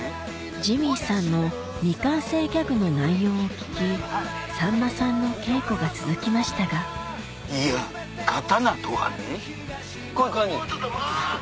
ジミーさんの未完成ギャグの内容を聞きさんまさんの稽古が続きましたがいや刀とはね。